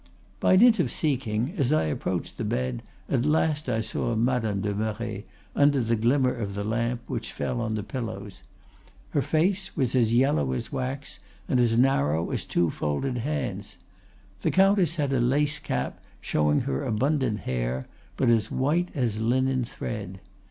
"'By dint of seeking, as I approached the bed, at last I saw Madame de Merret, under the glimmer of the lamp, which fell on the pillows. Her face was as yellow as wax, and as narrow as two folded hands. The Countess had a lace cap showing her abundant hair, but as white as linen thread.